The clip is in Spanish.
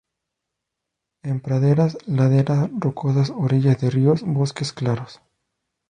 En praderas, laderas rocosas, orillas de ríos, bosques claros.